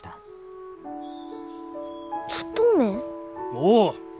おう！